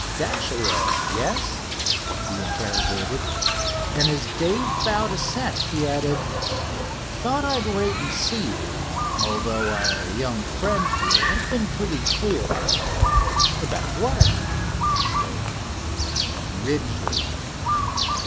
"Dashaway, yes?" he interrogated, and as Dave bowed assent he added: "Thought I'd wait and see you, although our young friend here has been pretty dear." "About what?" asked Dave. "Ridgely."